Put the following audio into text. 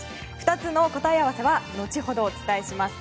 ２つの答え合わせは後ほどお伝えします。